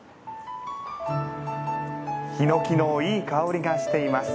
ヒノキのいい香りがしています。